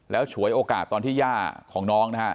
แล้วฉวยโอกาสตอนที่ย่าของน้องนะฮะ